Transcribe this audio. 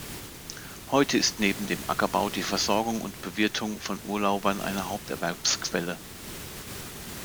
Heute ist neben dem Ackerbau die Versorgung und Bewirtung von Urlaubern eine Haupterwerbsquelle.